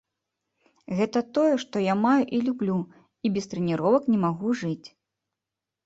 Гэта тое, што я маю і люблю, і без трэніровак не магу жыць!